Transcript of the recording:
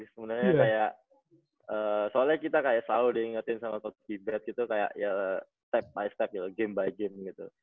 sebenarnya kayak soalnya kita kayak selalu diingetin sama toki bet gitu kayak step by step gitu game by game gitu